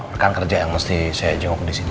rekan kerja yang mesti saya jawab di sini